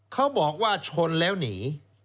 เขาบอกว่าชนแล้วหนี